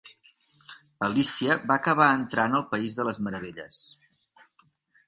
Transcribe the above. Alícia va acabar entrant al País de les Meravelles.